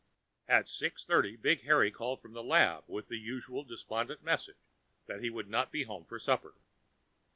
At six thirty, Big Harry called from the lab, with the usual despondent message that he would not be home for supper.